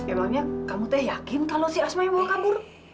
emangnya kamu tuh yakin kalau si asma yang mau kabur